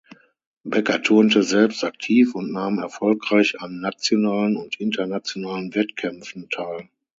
Becker turnte selbst aktiv und nahm erfolgreich an nationalen und internationalen Wettkämpfen teil.